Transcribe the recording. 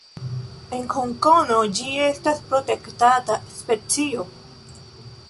En Hongkongo, ĝi estas protektata specio.